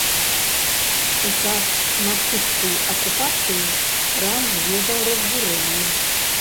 У час нацысцкай акупацыі храм зведаў разбурэнні.